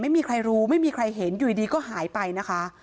ไม่มีใครรู้ไม่มีใครเห็นอยู่ดีก็หายไปนะคะ